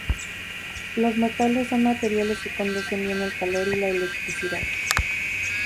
Los metales son materiales que conducen bien el calor y la electricidad.